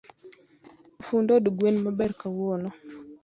Fund od gwen maber kawuono.